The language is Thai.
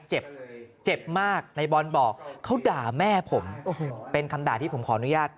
เจ็บเจ็บมากในบอลบอกเขาด่าแม่ผมโอ้โหเป็นคำด่าที่ผมขออนุญาต